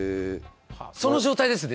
その状態ですね